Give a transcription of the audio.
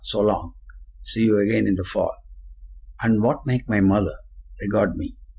So long! See you again in the fall.' And what make my mother? Regard me!